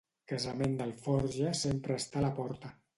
Casament d'alforja sempre està a la porta.